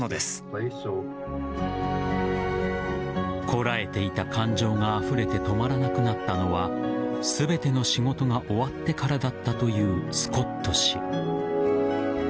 こらえていた感情があふれて止まらなくなったのは全ての仕事が終わってからだったというスコット氏。